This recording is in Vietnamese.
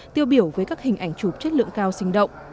tiêu biểu với các hình ảnh chụp chất lượng cao sinh động